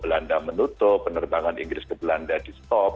belanda menutup penerbangan inggris ke belanda di stop